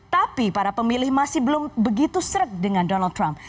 tapi para pemilih masih belum begitu seret dengan donald trump